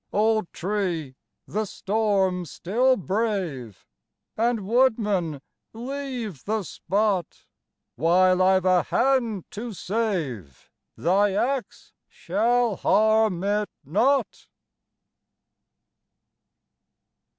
Old tree! the storm still brave! And, woodman, leave the spot; While I've a hand to save, thy axe shall harm it not.